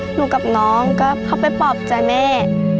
หนูกับน้องก็เข้าไปปลอบใจแม่